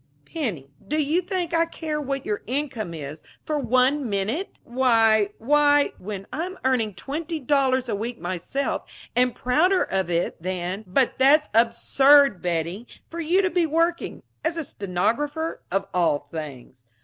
"Penny, do you think I care what your income is for one minute?" "Why why " "When I'm earning twenty dollars a week myself and prouder of it than " "But that's absurd, Betty for you to be working as a stenographer, of all things!